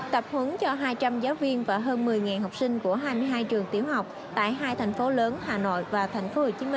tập huấn cho hai trăm linh giáo viên và hơn một mươi học sinh của hai mươi hai trường tiểu học tại hai thành phố lớn hà nội và tp hcm